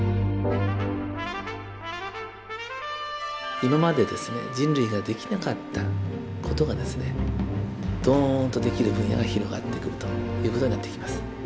今まで人類ができなかったことがどんとできる分野が広がってくるということになってきます。